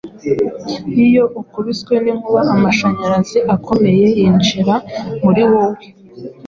Iyo ukubiswe n’inkuba amashanyarizi akomeye yinjira muri wowe